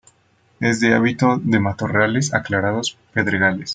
Es de hábito de matorrales aclarados, pedregales.